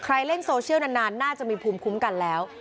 เล่นโซเชียลนานน่าจะมีภูมิคุ้มกันแล้ว